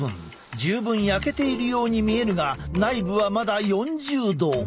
十分焼けているように見えるが内部はまだ４０℃。